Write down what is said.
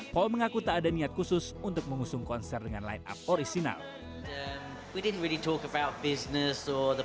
bencana konser ini pun terjadi begitu saja